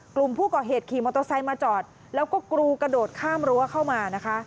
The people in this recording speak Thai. กลุ่มผู้ก่อเหตุขี่มอเตอร์ไซค์มาจอดแล้วก็กรูกระโดดข้ามรั้วเข้ามานะคะ